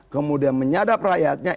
kemudian menyadap rakyatnya